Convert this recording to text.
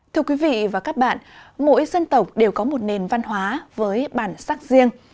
thưa quý vị và các bạn mỗi dân tộc đều có một nền văn hóa với bản sắc riêng